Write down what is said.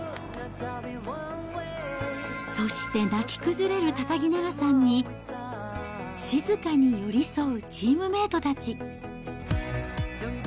そして、泣き崩れる高木菜那さんに、静かに寄り添うチームメートたち。